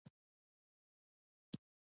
استاد حبیب الله رفیع د پښتو ژبې شپږم ستوری دی.